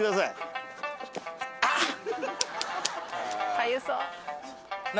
かゆそう。